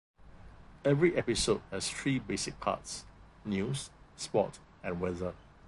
Every episode has three basic parts: news, sport and weather.